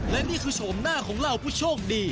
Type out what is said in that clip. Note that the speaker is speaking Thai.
และนี่คือโฉมหน้าของเหล่าผู้โชคดี